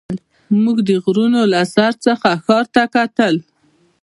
موږ د غرونو له سر څخه ښار ته کتل.